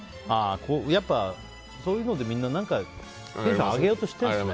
やっぱりそういうのでみんなテンションを上げようとしてるんですね。